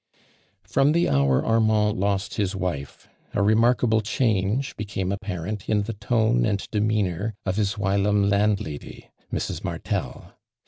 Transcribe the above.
From the hour Armand lost his wife, a remarkable change becanie apparent in the tone and demeanor of hi wli'lom landlady, Mrs. Martel.